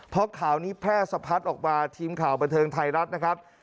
เพราะข่าวนี้แพร่สะพัดออกมาทีมข่าวบันเทิงไทยรัฐนะครับ